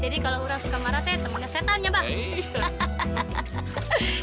jadi kalau orang suka marah teh temannya setan ya bang